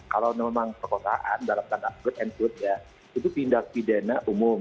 kalau memang perkosaan dalam tanda quote and quote ya itu tindak pidana umum